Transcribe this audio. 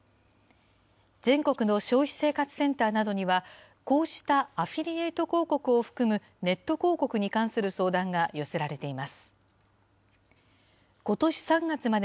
全国の消費生活センターなどには、こうしたアフィリエイト広告を含む、ネット広告に関する相談が寄せられています。